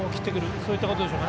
そういったことでしょうか。